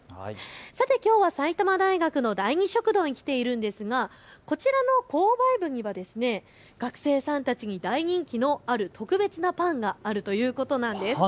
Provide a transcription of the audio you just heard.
さて、きょうは埼玉大学の第二食堂に来ているんですがこちらの購買部には学生さんたちに大人気のある特別なパンがあるということなんです。